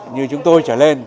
như chúng tôi trở lên